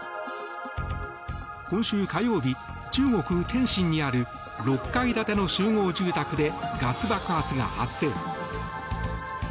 今週火曜日、中国・天津にある６階建ての集合住宅でガス爆発が発生。